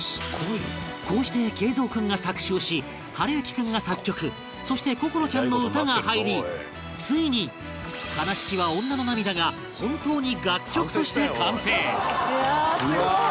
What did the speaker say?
こうして桂三君が作詞をし暖之君が作曲そして心愛ちゃんの歌が入りついに『哀しきは女の涙』が本当に楽曲として完成！